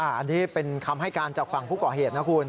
อันนี้เป็นคำให้การจากฝั่งผู้ก่อเหตุนะคุณ